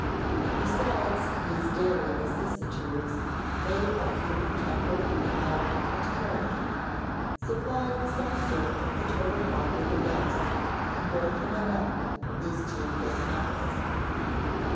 Besides, these daily vicissitudes made by human temper, manner, and character supplied in some sort the total want of events, and broke the monotony of these tedious months.